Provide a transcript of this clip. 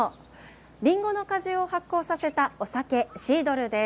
リンゴの果汁を発酵させたお酒、シードルです。